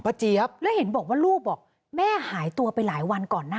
เจี๊ยบแล้วเห็นบอกว่าลูกบอกแม่หายตัวไปหลายวันก่อนหน้า